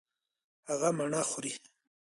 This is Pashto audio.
هغه مڼه خوري.